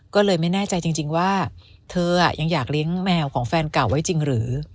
ก็เลยไม่แน่ใจจริงว่าเธอยังอยากเลี้ยงแมวของแฟนเก่าไว้จริงหรือ